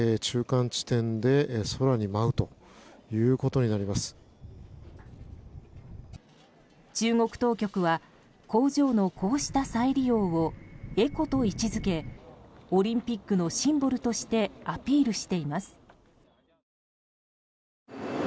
中国当局は工場のこうした再利用をエコと位置づけオリンピックのシンボルとしてアピールしています。